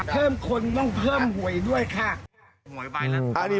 เพิ่มคนต้องเพิ่มหวยด้วยค่ะ